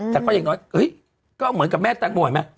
แต่ก็อย่างน้อยเรื่อยก่อนเวลากับแม่ตระกบว่าเหมือนมั๊ย